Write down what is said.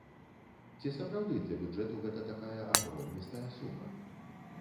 Ці сапраўды для бюджэту гэта такая агромністая сума?